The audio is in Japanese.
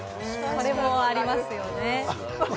これもありますよね。